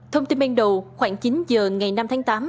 thông tin ban đầu khoảng chín giờ ngày năm tháng tám